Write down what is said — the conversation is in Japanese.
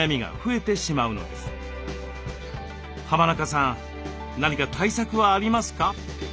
浜中さん何か対策はありますか？